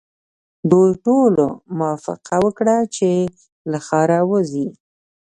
دوی ټولو موافقه وکړه چې له ښاره وځي.